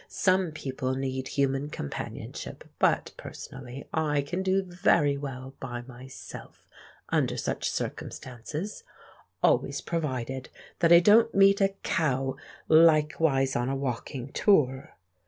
Some people need human companionship; but, personally, I can do very well by myself under such circumstances (always provided that I don't meet a cow likewise on a walking tour).